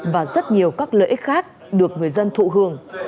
và rất nhiều các lợi ích khác được người dân thụ hưởng